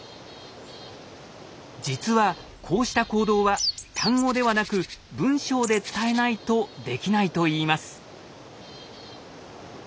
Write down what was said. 実はこうした行動は単語ではなく文章で伝えないとできないといいます。